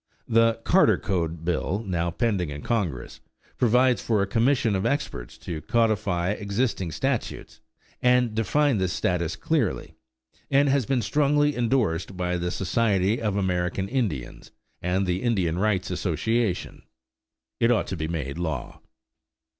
The "Carter code bill," now pending in Congress, provides for a commission of experts to codify existing statutes and define this status clearly, and has been strongly endorsed by the Society of American Indians and the Indian Rights Association. It ought to be made law.